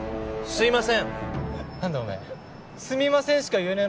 すいませんね。